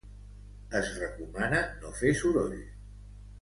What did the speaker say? Es recomana no fer soroll.